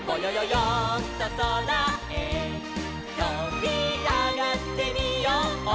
よんとそらへとびあがってみよう」